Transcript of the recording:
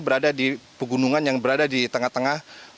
berada di pegunungan yang berada di tengah tengah